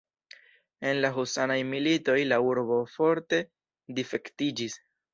En la husanaj militoj la urbo forte difektiĝis.